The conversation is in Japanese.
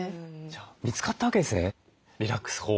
見つかったわけですねリラックス法。